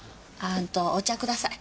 あお茶ください。